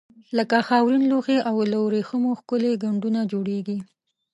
لکه خاورین لوښي او له وریښمو ښکلي ګنډونه جوړیږي.